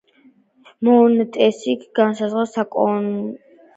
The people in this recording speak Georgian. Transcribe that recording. მონტესკიე განასხვავებს საკანონმდებლო, აღმასრულებელ და სასამართლო ხელისუფლებას.